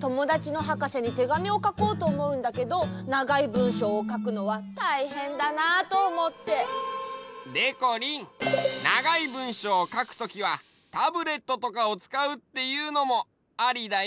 ともだちのはかせにてがみをかこうとおもうんだけどながいぶんしょうをかくのはたいへんだなとおもって。でこりんながいぶんしょうをかくときはタブレットとかをつかうっていうのもありだよ！